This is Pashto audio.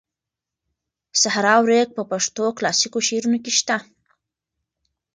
صحرا او ریګ په پښتو کلاسیکو شعرونو کې شته.